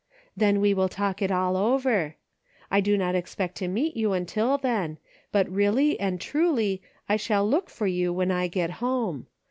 Then we will talk it all over. I do not expect to meet you until then, but really and truly I shall lo«k fer you when I get home.